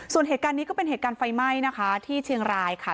ส่วนเหตุการณ์นี้ก็เป็นเหตุการณ์ไฟไหม้นะคะที่เชียงรายค่ะ